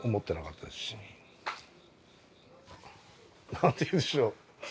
何て言うんでしょう。